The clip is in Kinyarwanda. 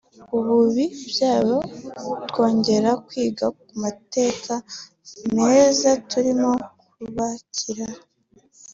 ububi bwayo twongera kwiga ku mateka meza turimo kubakiraho